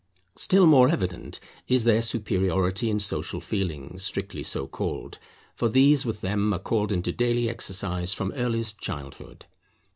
Still more evident is their superiority in social feelings strictly so called, for these with them are called into daily exercise from earliest childhood.